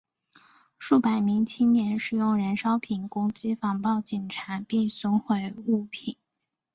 数百名青年使用燃烧瓶攻击防暴警察并损毁物品。